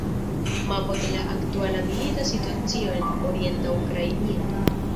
Mapo de la aktuala milita situacio en orienta Ukrainio.